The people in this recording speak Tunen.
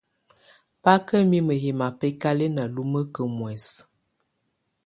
Bà kà mimǝ́ yɛ̀ mabɛ̀kalɛna lumǝkǝ muɛ̀sɛ.